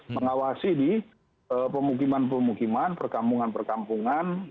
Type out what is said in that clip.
mengawasi di pemukiman pemukiman perkampungan perkampungan